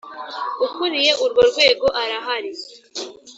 Ukuriye urwo rwego arahari.